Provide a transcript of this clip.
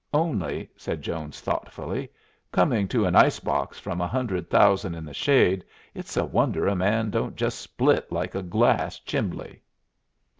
Only," said Jones, thoughtfully, "coming to an ice box from a hundred thousand in the shade, it's a wonder a man don't just split like a glass chimbly."